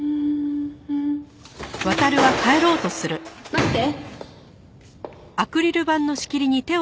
待って。